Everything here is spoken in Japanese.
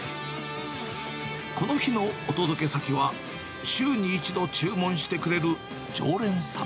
この日のお届け先は、週に１度、注文してくれる常連さん。